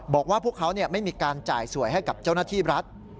บอกว่าพวกเขาไม่มีการจ่ายสวยให้กับเจ้าหน้าที่รัฐ